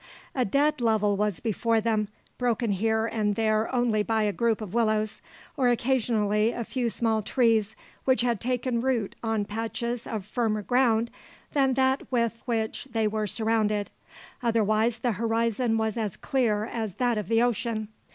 A dead level was before them, broken here and there only by a group of willows, or occasionally a few small trees which had taken root on patches of firmer ground than that with which they were surrounded, otherwise the horizon was as clear as that of the ocean.